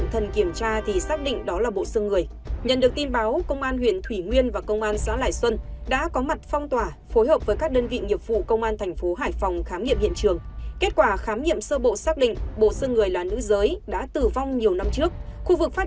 hãy đăng ký kênh để nhận thông tin nhất